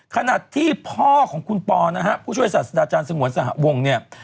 ขณะที่พ่อของคุณปอนะฮะผู้ช่วยศาสตราจารย์สงวนสหวงเนี่ย